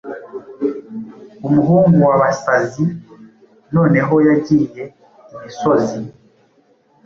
Umuhungu wa basazi noneho yagiye Imisozi